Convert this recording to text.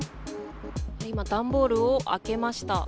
今、段ボールを開けました。